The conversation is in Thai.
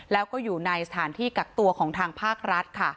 แล้วก็อยู่ในฐานะที่กักตัวทางภาครัฐ